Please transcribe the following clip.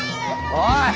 おい！